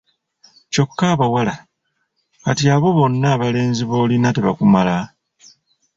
Kyokka abawala! Kati abo bonna abalenzi b’olina tebakumala?